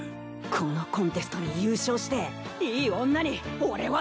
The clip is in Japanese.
このコンテストに優勝していい女に俺はなる！